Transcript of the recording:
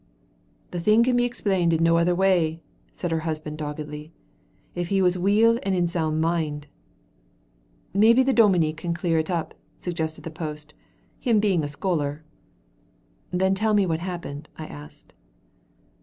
"The thing can be explained in no other way," said her husband doggedly; "if he was weel and in sound mind." "Maybe the dominie can clear it up," suggested the post, "him being a scholar." "Then tell me what happened," I asked.